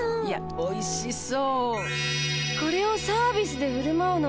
おいしそう。